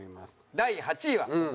第８位は。